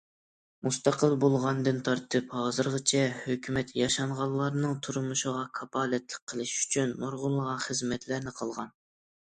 مۇستەقىل بولغاندىن تارتىپ ھازىرغىچە، ھۆكۈمەت ياشانغانلارنىڭ تۇرمۇشىغا كاپالەتلىك قىلىش ئۈچۈن نۇرغۇنلىغان خىزمەتلەرنى قىلغان.